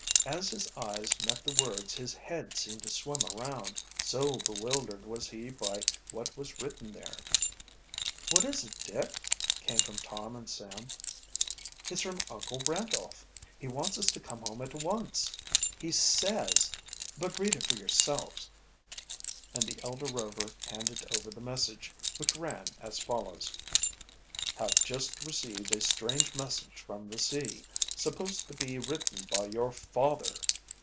As his eyes met the words his head seemed to swim around, so bewildered was he by what was written there. "What is it, Dick?" came from Tom and Sam. "It's from Uncle Randolph. He wants us to come home at once. He says but read it for yourselves," and the elder Rover handed over the message, which ran as follows: "Have just received a strange message from the sea, supposed to be written by your father.